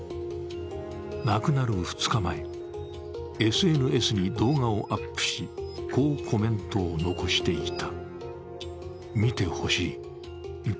亡くなる２日前、ＳＮＳに動画をアップし、こうコメントを残していた。